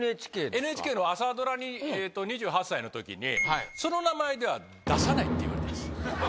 ＮＨＫの朝ドラに２８歳のときに、その名前では出さないって言われたんです。